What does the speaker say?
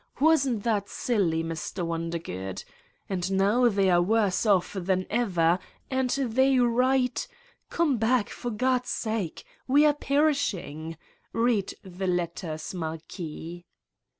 Wasn't that silly, Mr. Wondergood? And now they are worse off than ever and they write :* Come back, for God's sake. We are perishing!' Bead the letters, Marquis."